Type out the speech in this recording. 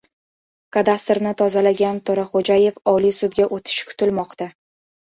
Kadastrni «tozalagan» To‘raxo‘jayev Oliy Sudga o‘tishi kutilmoqda